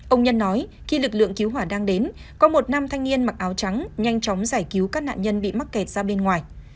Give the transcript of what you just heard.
ông nhân nói khi lực lượng cứu hỏa đang đến có một nam thanh niên mặc áo trắng nhanh chóng giải cứu các nạn nhân bị mắc kẹt ra bên ngoài